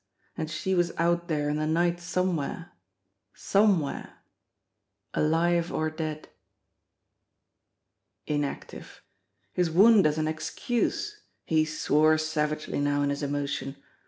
And she was out there in the night somewhere somewhere alive or dead. Inactive! His wound as an excuse! He swore savagely now in his emotion.